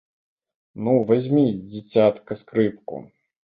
Ну, вазьмі, дзіцятка, скрыпку.